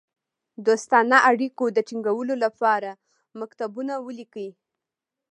دوستانه اړېکو د تینګولو لپاره مکتوبونه ولیکي.